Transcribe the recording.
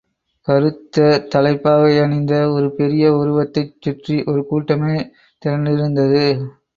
கருத்த, தலைப்பாகையணிந்த ஒரு பெரிய உருவத்தைச் சுற்றி ஒரு கூட்டமே திரண்டிருந்தது.